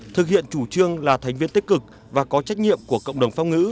thực hiện chủ trương là thành viên tích cực và có trách nhiệm của cộng đồng pháp ngữ